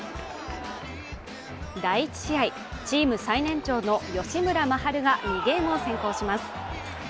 第１試合、チーム最年長の吉村真晴が２ゲームを先行します。